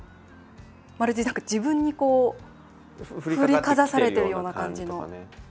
まるで自分に振りかざされているような感じの。